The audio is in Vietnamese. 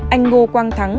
anh ngô quang thắng